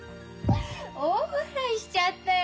大笑いしちゃったよ